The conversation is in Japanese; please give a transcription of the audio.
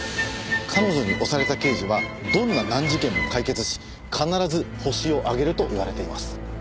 彼女に推された刑事はどんな難事件も解決し必ずホシを挙げると言われています。